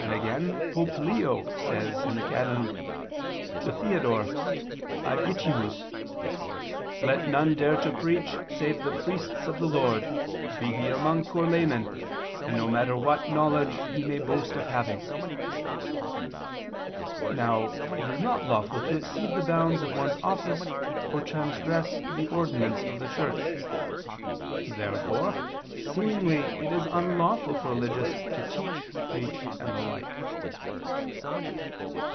Again Pope Leo [*Leo I, Ep. cxx ad Theodoret., 6, cf. XVI, qu. i, can. Adjicimus]: says "Let none dare to preach save the priests of the Lord, be he monk or layman, and no matter what knowledge he may boast of having." Now it is not lawful to exceed the bounds of one's office or transgress the ordinance of the Church. Therefore seemingly it is unlawful for religious to teach, preach, and the like.